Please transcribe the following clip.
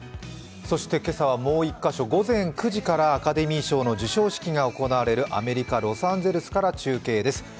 今朝はもう１カ所、午前９時からアカデミー賞の授賞式が行われるアメリカのロサンゼルスから中継です。